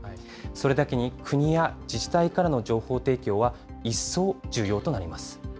それだけに、国や自治体からの情報提供は、一層重要となります。